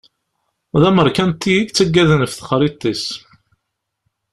D ameṛkanti i yettagaden ɣef texṛiḍt-is.